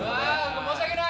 うわ申し訳ない！